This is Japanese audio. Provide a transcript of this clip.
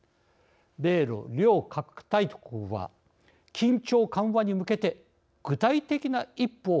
米ロ、両核大国は緊張緩和に向けて具体的な一歩を